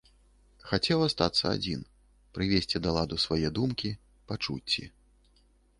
Хацеў астацца адзін, прывесці да ладу свае думкі, пачуцці.